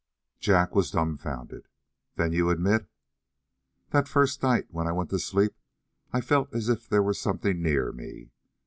Jack was dumbfounded. "Then you admit " "That first night when I went to sleep I felt as if there were something near me.